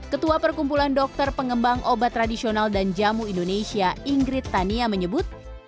ketua perkumpulan dokter pengembang obat tradisional dan jamu indonesia ingrid tania menyebut